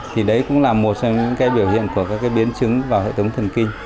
thì đấy cũng là một biểu hiện của các biến chứng vào hệ thống thần kinh